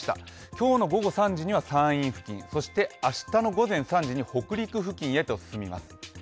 今日の午後３時には山陰付近、そして明日の午前３時に北陸付近へと進みます。